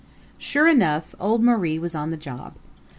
Sure enough, old Marie was on the job.